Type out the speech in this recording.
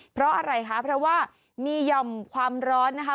เพราะอะไรคะเพราะว่ามีหย่อมความร้อนนะคะ